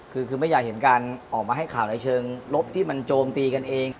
คือไม่อยากเห็นการออกมาให้ข่าวในเชิงลบที่มันโจมตีกันเอง